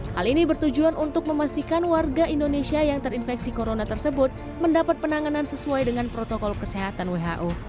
hal ini bertujuan untuk memastikan warga indonesia yang terinfeksi corona tersebut mendapat penanganan sesuai dengan protokol kesehatan who